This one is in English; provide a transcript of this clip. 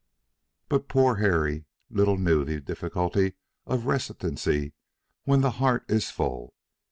But poor Harry little knew the difficulty of reticency when the heart is full.